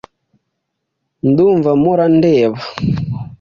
Ndumva mpora ndeba.